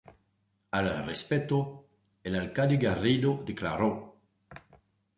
Al respecto, el Alcalde Garrido declaró.